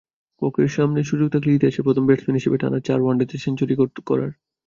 ককের সামনে সুযোগ থাকল ইতিহাসের প্রথম ব্যাটসম্যান হিসেবে টানা চার ওয়ানডেতে সেঞ্চুরি করার।